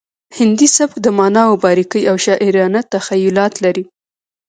هندي سبک د معناوو باریکۍ او شاعرانه تخیلات لري